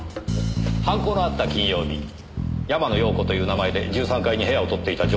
犯行のあった金曜日山野陽子という名前で１３階に部屋を取っていた女性です。